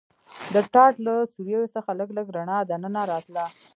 د ټاټ له سوریو څخه لږ لږ رڼا دننه راتله.